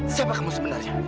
siapa kamu sebenarnya